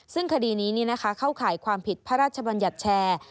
ซึ่งคดีนี้เข้าข่ายความผิดพระราชบัญญัติแชร์